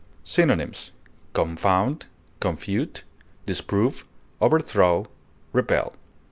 Synonyms: confound, confute, disprove, overthrow, repel.